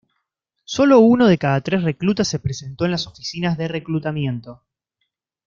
Solo uno de cada tres reclutas se presentó en las oficinas de reclutamiento.